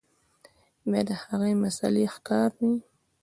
بيا د هغې مسئلې ښکار وي